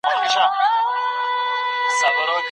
آیا کونډه ميرمن اختيار لري؟